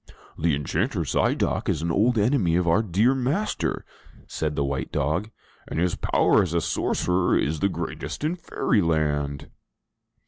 "The Enchanter Zidoc is an old enemy of our dear master," said the white dog, "and his power as a sorcerer is the greatest in Fairyland!'